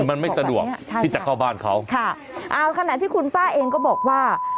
มันไม่สะดวกใช่ที่จะเข้าบ้านเขาค่ะเอาขณะที่คุณป้าเองก็บอกว่า